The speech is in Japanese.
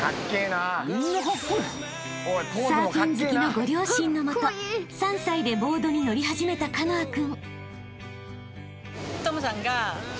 ［サーフィン好きのご両親のもと３歳でボードに乗り始めたカノア君］